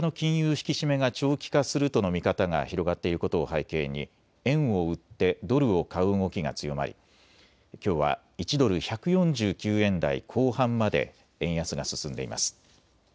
引き締めが長期化するとの見方が広がっていることを背景に、円を売ってドルを買う動きが強まりきょうは１ドル１４９円台後半まで円安が進んでいます。